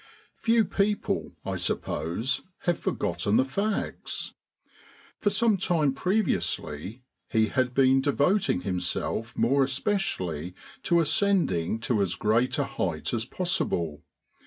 Few people, I suppose, have forgotten the facts. For some time previously he had been devoting himself more especially to ascending to as great a height as possible.